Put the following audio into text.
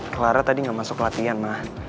clara tadi nggak masuk latihan ma